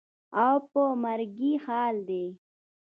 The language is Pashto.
او په مرګي حال دى.